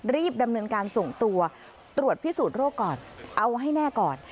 ดำเนินการส่งตัวตรวจพิสูจน์โรคก่อนเอาให้แน่ก่อน